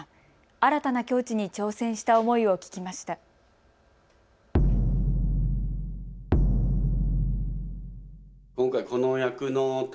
新たな境地に挑戦した思いを聞きました。